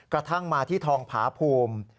กระทั่งมาที่ทองผาภูมิ